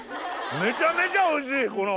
めちゃめちゃおいしいこの。